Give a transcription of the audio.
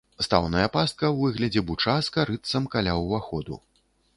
Стаўная пастка ў выглядзе буча з карытцам каля ўваходу.